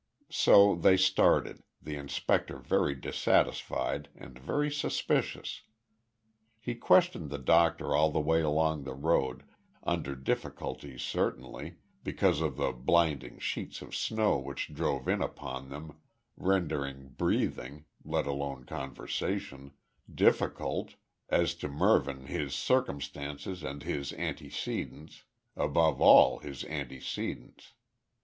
So they started, the inspector very dissatisfied and very suspicious. He questioned the doctor all the way along the road, under difficulties certainly, because of the blinding sheets of snow which drove in upon them, rendering breathing let alone conversation difficult as to Mervyn, his circumstances and his antecedents above all, his antecedents.